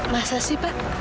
masa sih pak